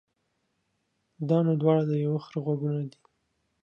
دا نو دواړه د يوه خره غوږونه دي.